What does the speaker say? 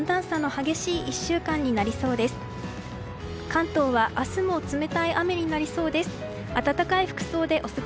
関東は明日も冷たい雨になりそうです。